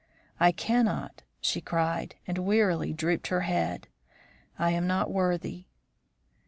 'I cannot!' she cried, and wearily drooped her head. 'I am not worthy.'